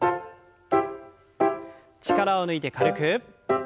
力を抜いて軽く。